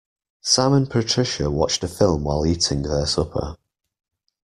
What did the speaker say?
Sam and Patricia watched a film while eating their supper.